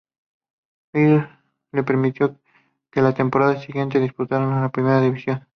Ello le permitió que la temporada siguiente disputara en Primera División.